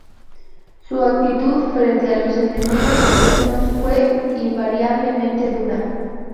Su actitud frente a los enemigos internos fue invariablemente dura.